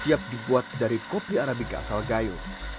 siap dibuat dari kopi arabica asal gayo